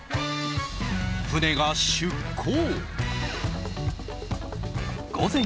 船が出航。